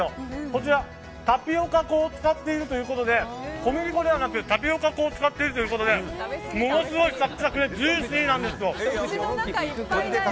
こちら、タピオカ粉を使っているということで小麦粉ではなくてタピオカ粉を使っているということでものすごいサックサクでジューシーなんですよ。